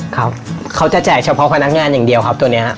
ครับเขาจะแจกเฉพาะพนักงานอย่างเดียวครับตัวนี้ครับ